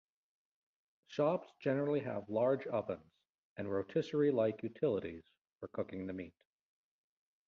Shops generally have large ovens and rotisserie-like utilities for cooking the meat.